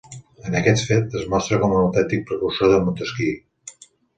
En aquest fet, es mostra com un autèntic precursor de Montesquieu.